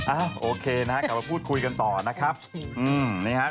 อ่ะโอเคนะฮะกลับมาพูดคุยกันต่อนะครับอืมนี่ฮะ